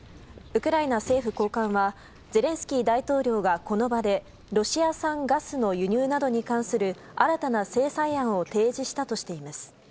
ウクライナ政府高官はゼレンスキー大統領がこの場でロシア産ガスの輸入などに関する新たな制裁を提示したとしています。